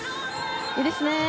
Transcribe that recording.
いいですね。